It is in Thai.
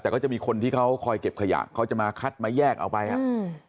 แต่ก็จะมีคนที่เขาคอยเก็บขยะเขาจะมาคัดมาแยกเอาไปอ่ะอืม